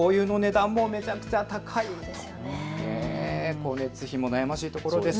光熱費も悩ましいところです。